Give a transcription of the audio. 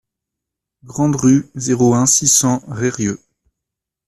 Grande Rue, zéro un, six cents Reyrieux